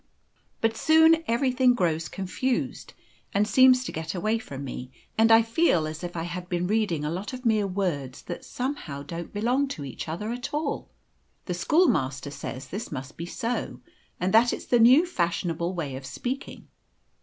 But soon everything grows confused, and seems to get away from me, and I feel as if I had been reading a lot of mere words that somehow don't belong to each other at all. The schoolmaster says this must be so, and that it's the new fashionable way of speaking.